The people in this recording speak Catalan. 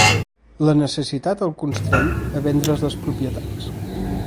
La necessitat el constreny a vendre's les propietats.